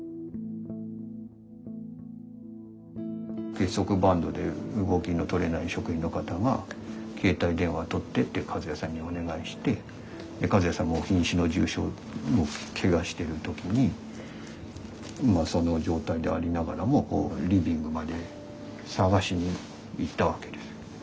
結束バンドで動きのとれない職員の方が携帯電話取ってって一矢さんにお願いして一矢さんもひん死の重傷けがしてる時にその状態でありながらもこうリビングまで探しに行ったわけですよ。